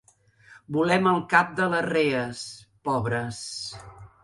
Volem el cap de les rees, pobres.